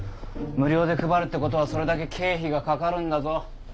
無料で配るって事はそれだけ経費がかかるんだぞ。